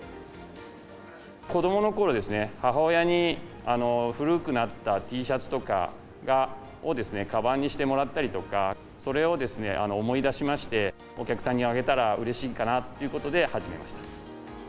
子どものころですね、母親に古くなったＴシャツとかをかばんにしてもらったりとか、それを思い出しまして、お客さんにあげたらうれしいかなと始めました。